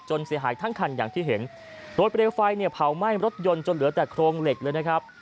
เสียหายทั้งคันอย่างที่เห็นรถเร็วไฟเนี่ยเผาไหม้รถยนต์จนเหลือแต่โครงเหล็กเลยนะครับ